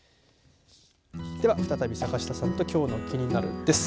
では再び坂下さんときょうのキニナル！です。